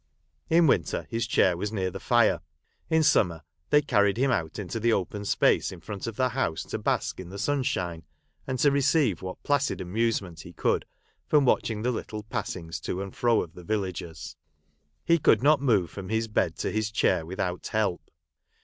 In winter, his chair was near the fire ; in sum mer, they carried him out into the open space in front of the house to bask in the sunshine, 248 HOUSEHOLD WORDS. [Conducted by and to receive what placid amusement he could from watching the little passings to and fro of the villagers. He could not move from his bed to his chair without help.